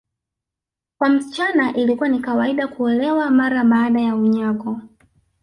Kwa msichana ilikuwa ni kawaida kuolewa mara baada ya unyago